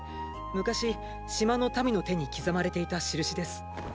昔島の民の手に刻まれていた印です。